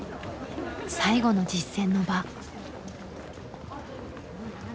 最後の実戦の場。